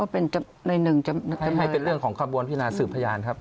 เป็นเรื่องของความบวนพี่นาศึกพยานครับ